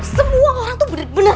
semua orang tuh bener bener